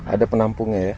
ada penampungnya ya